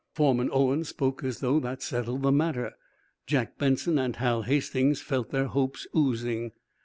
Foreman Owen spoke as though that settled the matter. Jack Benson and Hal Hastings felt their hopes oozing.